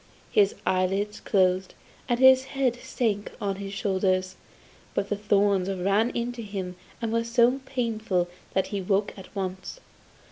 His eyelids closed, and his head sank on his shoulders, but the thorns ran into him and were so painful that he awoke at once.